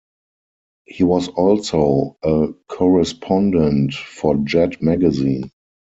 He was also a correspondent for Jet magazine.